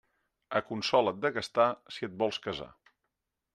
Aconsola't de gastar, si et vols casar.